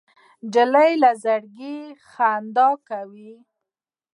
نجلۍ له زړګي خندا کوي.